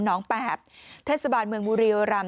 น้อง๘เทศบาลเมืองบุรีโยรัม